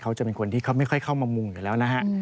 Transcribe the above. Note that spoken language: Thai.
เขาจะเป็นคนที่เขาไม่ค่อยเข้ามามุงอยู่แล้วนะฮะ